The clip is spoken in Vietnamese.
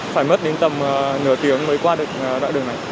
phải mất đến tầm nửa tiếng mới qua được đoạn đường này